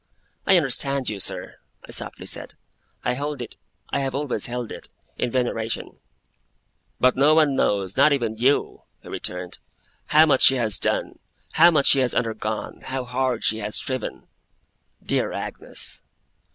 'I understand you, sir,' I softly said. 'I hold it I have always held it in veneration.' 'But no one knows, not even you,' he returned, 'how much she has done, how much she has undergone, how hard she has striven. Dear Agnes!